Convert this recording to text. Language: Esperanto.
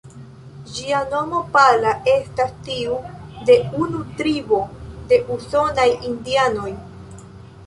Ĝia nomo ""Pala"", estas tiu de unu tribo de usonaj indianoj.